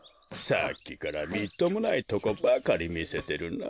さっきからみっともないとこばかりみせてるな。